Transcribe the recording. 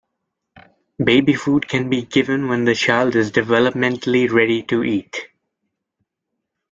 Baby food can be given when the child is developmentally ready to eat.